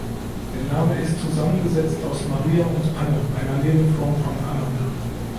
Der Name ist zusammengesetzt aus "Maria" und "Anne", einer Nebenform von "Anna".